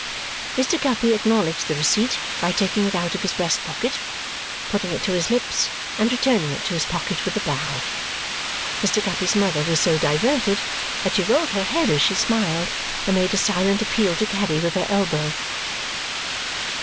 Mr. Guppy acknowledged the receipt by taking it out of his breast pocket, putting it to his lips, and returning it to his pocket with a bow. Mr. Guppy's mother was so diverted that she rolled her head as she smiled and made a silent appeal to Caddy with her elbow.